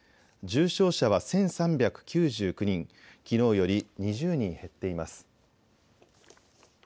重症者は１３９９人きのうより２０人減っています。